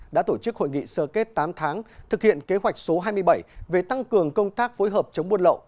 đã tổ chức hội nghị sơ kết tám tháng thực hiện kế hoạch số hai mươi bảy về tăng cường công tác phối hợp chống buôn lậu